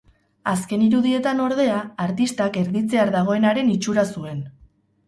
Azken irudietan, ordea, artistak erditzear dagoenaren itxura zuen.